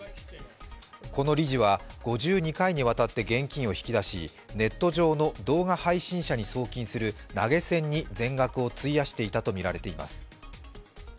この理事は５２回にわたって現金を引き出しネット上の動画配信者に送金する投げ銭に全額を費やしていたとみられています。